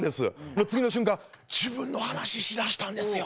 次の瞬間、自分の話しだしたんですよ。